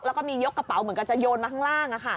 แล้วก็มียกกระเป๋าเหมือนกับจะโยนมาข้างล่าง